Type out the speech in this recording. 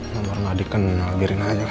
nomor gak dikenal biarin aja lah